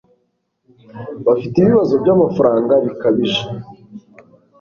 bafite ibibazo byamafaranga bikabije